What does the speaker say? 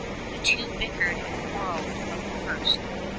The two bickered and quarreled from the first.